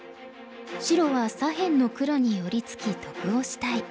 白は左辺の黒に寄り付き得をしたい。